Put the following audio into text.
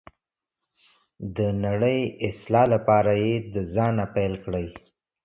د نړۍ اصلاح لپاره یې د ځانه پیل کړئ.